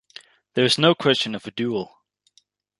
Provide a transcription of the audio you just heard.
There is no question of a duel.